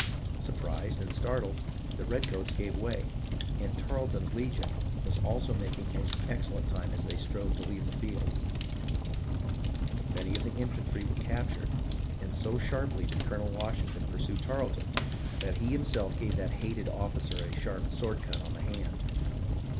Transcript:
Surprised and startled, the redcoats gave way, and " Tarleton's legion " was also making most excellent time as they strove to leave the field. Many of the infantry were captured, and so sharply did Colonel Washington pursue Tarleton that he himself gave that hated officer a sharp sword cut on the hand.